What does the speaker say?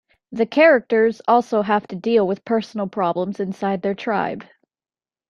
The characters also have to deal with personal problems inside their tribe.